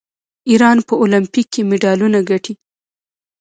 ایران په المپیک کې مډالونه ګټي.